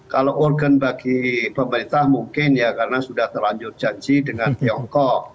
kalau urgent bagi pemerintah mungkin ya karena sudah terlanjur janji dengan tiongkok